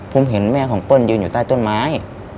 ผมเห็นแม่ของเปิ้ลยืนอยู่ใต้ต้นไม้